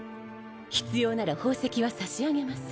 必要なら宝石は差し上げます。